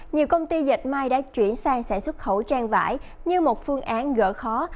nhiều công ty dịch may đã chuyển sang sản xuất khẩu trang vải như một phương án gỡ khó